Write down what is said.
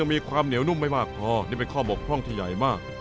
มีความเหนียวนุ่มไม่มากพอนี่เป็นข้อบกพร่องที่ใหญ่มาก